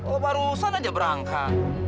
oh barusan aja berangkat